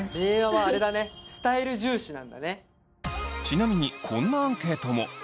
ちなみにこんなアンケートも！